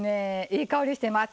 いい香りしてます。